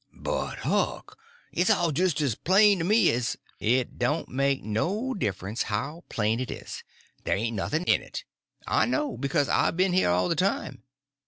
"But, Huck, it's all jis' as plain to me as—" "It don't make no difference how plain it is; there ain't nothing in it. I know, because I've been here all the time."